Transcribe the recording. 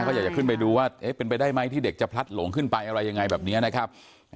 เขาอยากจะขึ้นไปดูว่าเป็นไปได้ไหมที่เด็กจะพลัดหลงขึ้นไปอะไรยังไงแบบนี้นะครับ